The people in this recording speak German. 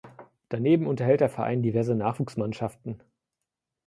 Daneben unterhält der Verein diverse Nachwuchsmannschaften.